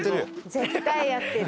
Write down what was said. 絶対やってる。